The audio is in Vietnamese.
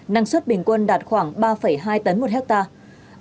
năng suất bình quân đạt khoảng ba hai tấn một hectare